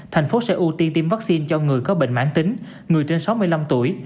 thành phố sẽ ưu tiên tiêm vaccine cho người có bệnh mãn tính người trên sáu mươi năm tuổi